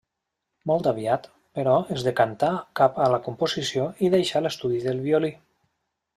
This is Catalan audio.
Molt aviat, però es decantà cap a la composició i deixà l'estudi del violí.